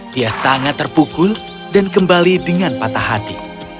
dia sangat terpukul dan kembali dengan patah hati